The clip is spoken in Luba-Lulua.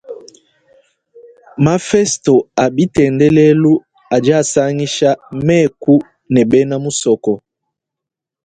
Mafesto a bitendelelu adi asangisha mêku ne bena musoko.